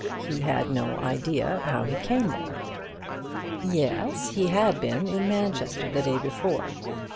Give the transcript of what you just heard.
He had no idea how he came there. Yes, he had been in Manchester the day before.